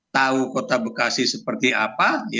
tahu kota bekasi seperti apa